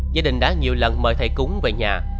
gia đình đã nhiều lần mời thầy cúng về nhà